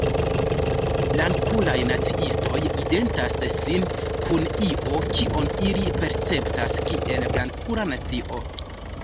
Blankulaj naciistoj identas sin kun io, kion ili perceptas kiel "blankula nacio.